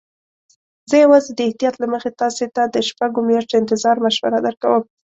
زه یوازې د احتیاط له مخې تاسي ته د شپږو میاشتو انتظار مشوره درکوم.